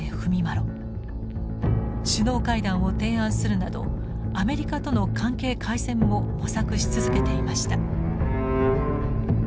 首脳会談を提案するなどアメリカとの関係改善も模索し続けていました。